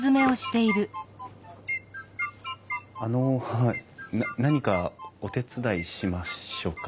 あの何かお手伝いしましょうか？